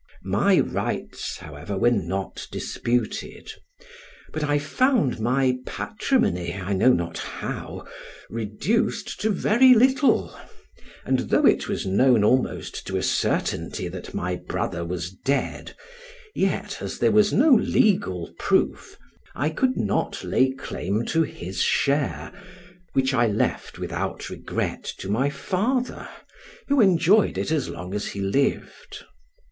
My rights, however, were not disputed: but I found my patrimony, I know not how, reduced to very little, and though it was known almost to a certainty that my brother was dead, yet, as there was no legal proof, I could not lay claim to his share, which I left without regret to my father, who enjoyed it as long as he lived.